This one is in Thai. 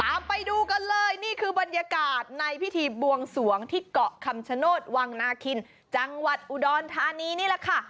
ไปดูกันเลยนี่คือบรรยากาศในพิธีบวงสวงที่เกาะคำชโนธวังนาคินจังหวัดอุดรธานีนี่แหละค่ะ